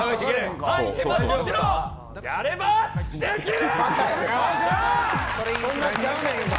もちろん、やればできる。